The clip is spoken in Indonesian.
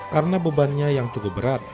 karena bebannya yang cukup berat